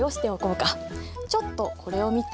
ちょっとこれを見て。